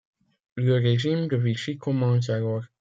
Le Régime de Vichy commence alors.